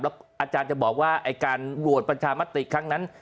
แล้วอาจารย์จะบอกว่าการบวชประชามตริครั้งนั้น